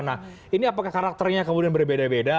nah ini apakah karakternya kemudian berbeda beda